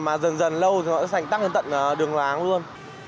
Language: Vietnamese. mà dần dần lâu rồi nó sẽ tắt đến tận đường láng luôn